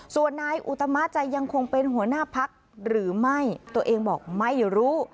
ส่วนนายอุตมะจะยังคงเป็นหัวหน้าพักหรือไม่ตัวเองบอกไม่รู้